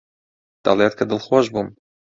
دەڵێت کە دڵخۆش بووم.